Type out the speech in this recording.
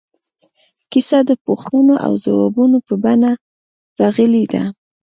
کیسه د پوښتنو او ځوابونو په بڼه راغلې ده.